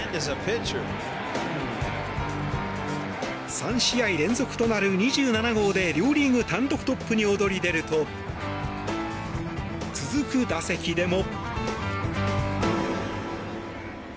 ３試合連続となる２７号で両リーグ単独トップに躍り出ると続く打席でも。